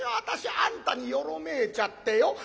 私あんたによろめいちゃってよ。